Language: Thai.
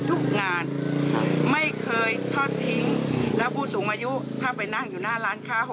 ทุกงานไม่เคยทอดทิ้งแล้วผู้สูงอายุถ้าไปนั่งอยู่หน้าร้านค้า